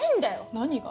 何が？